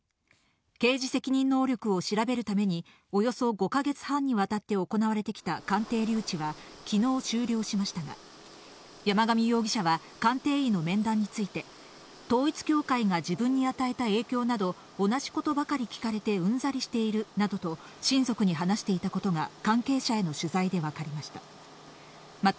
刑事責任能力を調べるために、およそ５か月半にわたって行われてきた鑑定留置は、きのう終了しましたが、山上容疑者は、鑑定医の面談について、統一教会が自分に与えた影響など、同じことばかり聞かれてうんざりしているなどと、親族に話していたことが、関係者への取材で分かりました。